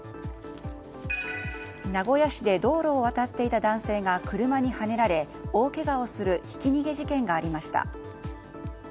名古屋市で道路を渡っていた男性が車にはねられ大けがをするひき逃げ事件がありました。